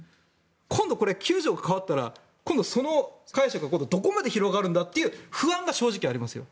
今度、９条が変わったら今度はその解釈がどこまで広がるんだという不安が正直ありますよ。